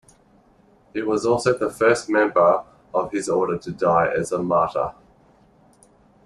He was also the first member of his Order to die as a martyr.